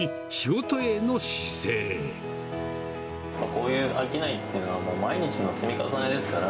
こういう商いっていうのは、毎日の積み重ねですから。